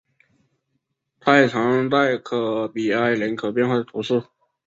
泰藏代科尔比埃人口变化图示